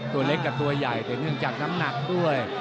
ตัวเล็กกับตัวใหญ่แต่เนื่องจากน้ำหนักด้วย